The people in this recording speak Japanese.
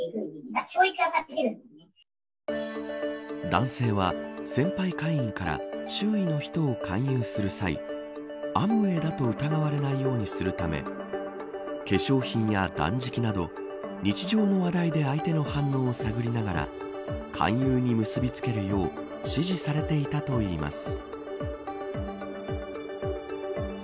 男性は、先輩会員から周囲の人を勧誘する際アムウェイだと疑われないようにするため化粧品や断食など日常の話題で相手の反応を探りながら勧誘に結びつけるよう指示されていたといいます。